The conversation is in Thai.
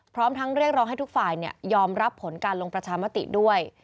พร้อมทั้งเรียกร้องให้ทุกฝ่ายยอมรับผลการลงประชามติด้วย